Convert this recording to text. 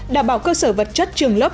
đảm bảo cơ sở vật chất trường lớp